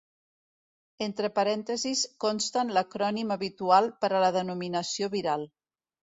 Entre parèntesis consten l’acrònim habitual per a la denominació viral.